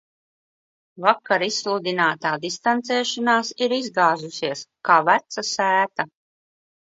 Vakar izsludinātā distancēšanās ir izgāzusies, kā veca sēta.